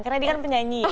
karena dia kan penyanyi